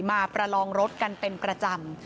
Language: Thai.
ประลองรถกันเป็นประจำ